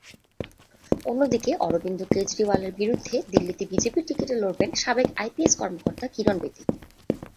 অন্যদিকে অরবিন্দ কেজরিওয়ালের বিরুদ্ধে দিল্লিতে বিজেপির টিকিটে লড়বেন সাবেক আইপিএস কর্মকর্তা কিরণ বেদী।